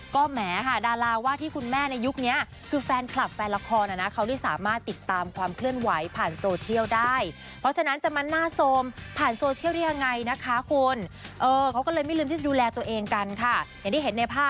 ก็แหมค่ะดาราว่าที่คุณแม่ในยุคนี้